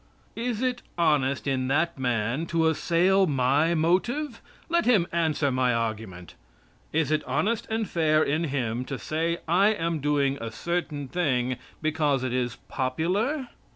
Is it honest in that man to assail my motive? Let him answer my argument! Is it honest and fair in him to say I am doing a certain thing because it is popular?